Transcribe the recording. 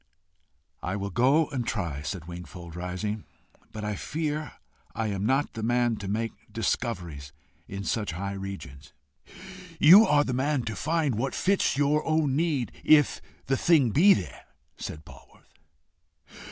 "I will go and try," said Wingfold, rising; "but I fear I am not the man to make discoveries in such high regions." "You are the man to find what fits your own need if the thing be there," said Polwarth.